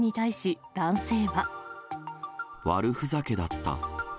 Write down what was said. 悪ふざけだった。